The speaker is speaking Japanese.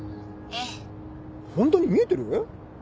ホントに見えてる？